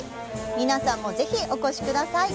皆さんもぜひお越しください。